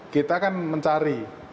kita kan mencari